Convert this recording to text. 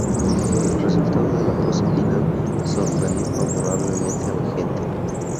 El resultado de la pose final, sorprendió favorablemente a la gente.